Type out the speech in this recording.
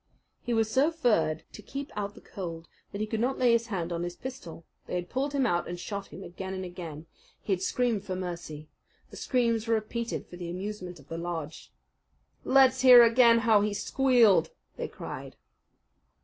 He was so furred to keep out the cold that he could not lay his hand on his pistol. They had pulled him out and shot him again and again. He had screamed for mercy. The screams were repeated for the amusement of the lodge. "Let's hear again how he squealed," they cried.